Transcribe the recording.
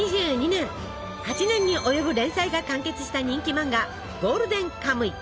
２０２２年８年に及ぶ連載が完結した人気漫画「ゴールデンカムイ」。